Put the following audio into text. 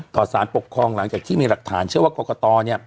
สารปกครองหลังจากที่มีหลักฐานเชื่อว่ากรกต